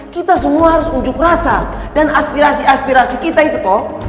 kita semua harus unjuk rasa dan aspirasi aspirasi kita itu toh